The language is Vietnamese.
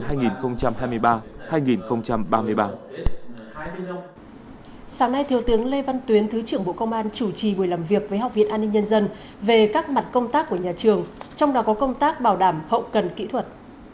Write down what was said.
sáng nay thiếu tướng lê văn tuyến thứ trưởng bộ công an chủ trì buổi làm việc với học viện an ninh nhân dân về các mặt công tác của nhà trường trong đó có công tác bảo đảm hậu cần kỹ thuật